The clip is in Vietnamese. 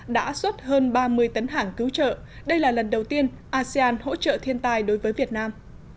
đã xuất hơn ba mươi tấn hàng cứu trợ đây là lần đầu tiên asean hỗ trợ thiên tai đối với việt nam